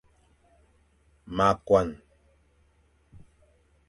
Ma koan.